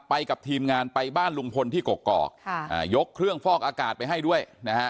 กับทีมงานไปบ้านลุงพลที่กกอกยกเครื่องฟอกอากาศไปให้ด้วยนะฮะ